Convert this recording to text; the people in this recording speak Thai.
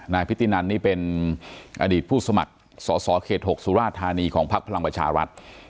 นายพิตินันนี่เป็นอดีตผู้สมัครสศขหกศุราชธานีของภักดิ์พลังประชาวัฒน์